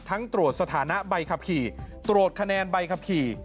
ตรวจสถานะใบขับขี่ตรวจคะแนนใบขับขี่